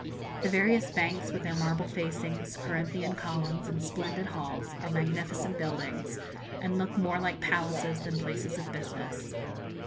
The various banks, with their marble facings, Corinthian columns, and splendid halls, are magnificent buildings, and look more like palaces than places of business.